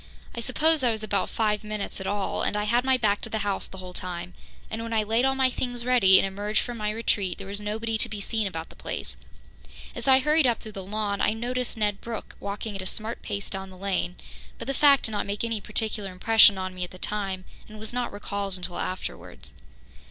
I suppose I was about five minutes at it all and I had my back to the house the whole time, and when I laid all my things ready and emerged from my retreat, there was nobody to be seen about the place. As I hurried up through the lawn, I noticed Ned Brooke walking at a smart pace down the lane, but the fact did not make any particular impression on me at the time, and was not recalled until afterwards.